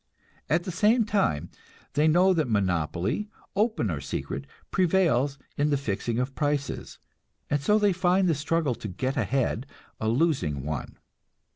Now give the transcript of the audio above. At the same time they know that monopoly, open or secret, prevails in the fixing of prices, and so they find the struggle to "get ahead" a losing one.